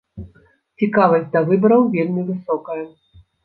Цікавасць да выбараў вельмі высокая.